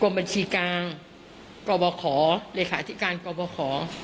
กว่าบัญชีการกรบาขอ